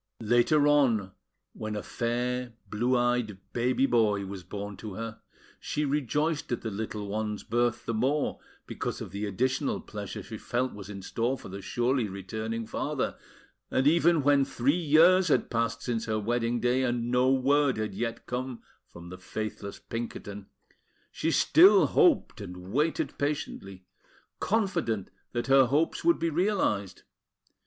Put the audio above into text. Later on, when a fair, blue eyed baby boy was born to her, she rejoiced at the little one's birth the more because of the additional pleasure she felt was in store for the surely returning father; and even when three years had passed since her wedding day, and no word had yet come from the faithless Pinkerton, she still hoped and waited patiently, confident that her hopes would be realised.